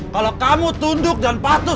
kalau kamu tunduk dan patuh